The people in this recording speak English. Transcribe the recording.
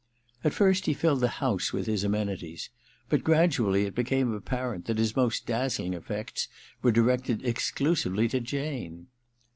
At first he filled the house with his ameni ties ; but gradually it became apparent that his most dazzling effects were directed exclusively to Jane.